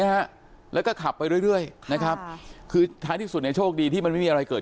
ฮะแล้วก็ขับไปเรื่อยเรื่อยนะครับคือท้ายที่สุดเนี่ยโชคดีที่มันไม่มีอะไรเกิด